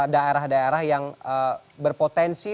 daerah daerah yang berpotensi